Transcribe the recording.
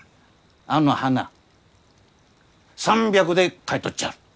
あの花３００で買い取っちゃる！